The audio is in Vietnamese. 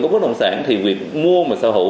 của bất động sản thì việc mua mà sở hữu